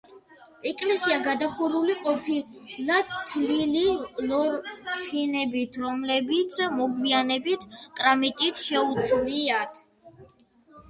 ეკლესია გადახურული ყოფილა თლილი ლორფინებით, რომლებიც მოგვიანებით კრამიტით შეუცვლიათ.